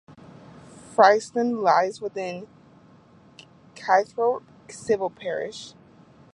Frieston lies within Caythorpe civil parish.